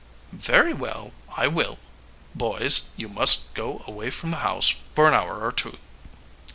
"Very well, I will. Boys, you must go away from the house for an hour or two."